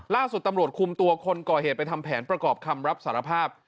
ล่าสุดตำรวจคุมตัวคนก่อเหตุไปทำแผนประกอบคำรับสารภาพ